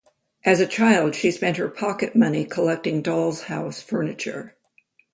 As a child she spent her pocket-money collecting dolls' house furniture.